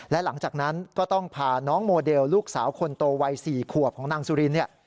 และหลังจากนั้นก็ต้องพาน้องโมเดลลูกสาวคนโตวัย๔ขวบของนางสุรินเนี่ย